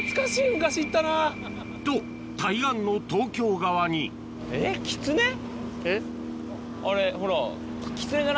昔行ったな！と対岸の東京側にあれほら。